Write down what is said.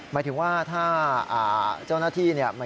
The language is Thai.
หมายถึงว่าถ้าเจ้าหน้าที่เนี่ย